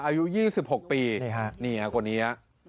อายุ๒๖ปี